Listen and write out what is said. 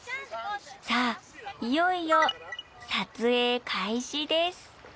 あいよいよ撮影開始です